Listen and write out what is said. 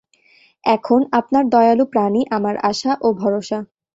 এখন আপনার দয়ালু প্রাণই আমার আশা ও ভরসা।